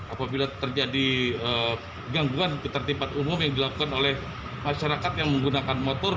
apabila terjadi gangguan ketertiban umum yang dilakukan oleh masyarakat yang menggunakan motor